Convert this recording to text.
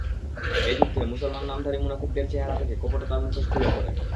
এ যুদ্ধে মুসলমান নামধারী মুনাফিকদের চেহারা থেকে কপটতার মুখোশ খুলে পড়ে।